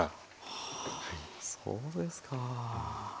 はあそうですか。